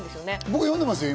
僕、読んでますよ。